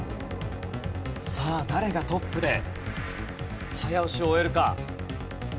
さあ誰がトップで早押しを終えるか？